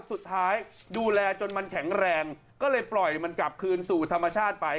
สุดท้ายดูแลจนมันแข็งแรงก็เลยปล่อยมันกลับคืนสู่ธรรมชาติไป